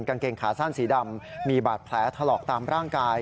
กางเกงขาสั้นสีดำมีบาดแผลถลอกตามร่างกาย